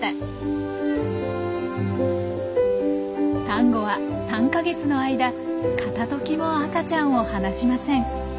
サンゴは３か月の間片ときも赤ちゃんを離しません。